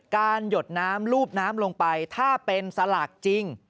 หยดน้ำลูบน้ำลงไปถ้าเป็นสลากจริง